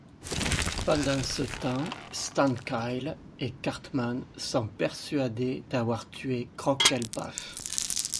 Pendant ce temps, Stan, Kyle et Cartman sont persuadés d'avoir tué Crockelpaf.